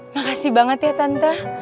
makasih banget ya tante